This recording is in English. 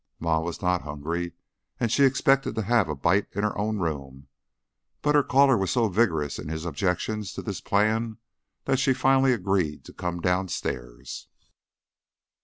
Ma was not hungry, and she had expected to have a bite in her own room; but her caller was so vigorous in his objections to this plan that she finally agreed to come downstairs.